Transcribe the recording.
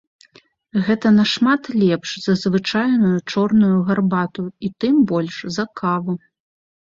Гэта нашмат лепш за звычайную чорную гарбату і тым больш за каву.